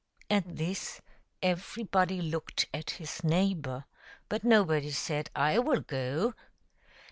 At this everybody looked at his neighbor, but nobody said, " I will go."